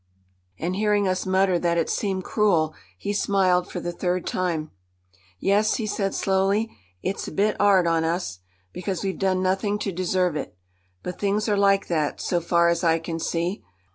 And hearing us mutter that it seemed cruel, he smiled for the third time. "Yes," he said slowly, "it's a bit 'ard on us, because we've done nothing to deserve it. But things are like that, so far as I can see.